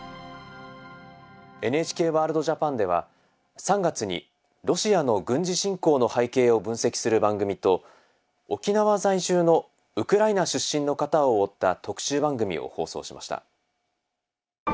「ＮＨＫワールドＪＡＰＡＮ」では３月にロシアの軍事侵攻の背景を分析する番組と沖縄在住のウクライナ出身の方を追った特集番組を放送しました。